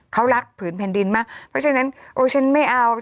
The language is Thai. เขารักผืนแผ่นดินมากเพราะฉะนั้นโอ้ฉันไม่เอา